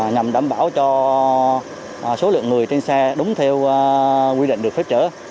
nhằm đảm bảo cho số lượng người trên xe đúng theo quy định được phép chở